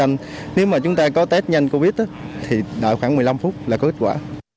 khi mà chúng ta có test nhanh covid thì đợi khoảng một mươi năm phút là có kết quả